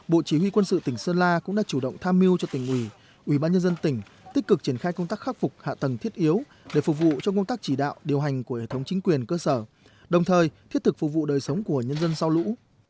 bộ chỉ huy quân sự tỉnh sơn la cũng đã chủ động tham mưu cho tỉnh ủy ủy ban nhân dân tỉnh tích cực triển khai công tác khắc phục hạ tầng thiết yếu để phục vụ cho công tác chỉ đạo điều hành của hệ thống chính quyền cơ sở đồng thời thiết thực phục vụ đời sống của nhân dân sau lũ